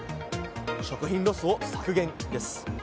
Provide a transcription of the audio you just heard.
食品ロスを削減です。